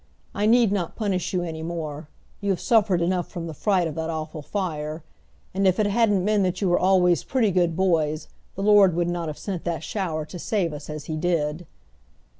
I need not punish you any more; you have suffered enough from the fright of that awful fire. And if it hadn't been that you were always pretty good boys the Lord would not have sent that shower to save us as He did."